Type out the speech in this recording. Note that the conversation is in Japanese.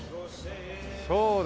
そうだ。